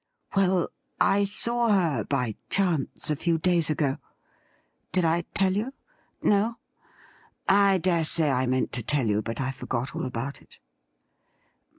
' Well, I saw her by chance a few days ago. Did I tell you ? No ? I dare say I meant to tell you, but I forgot all about it.'